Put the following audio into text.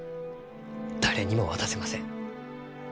誰にも渡せません。